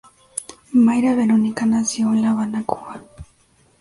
Mayra Verónica nació en la Habana, Cuba.